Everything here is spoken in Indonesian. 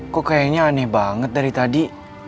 kok kayaknya aneh banget dari tadi